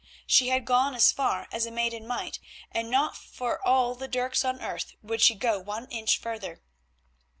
She had gone as far as a maiden might, and not for all the Dirks on earth would she go one inch further.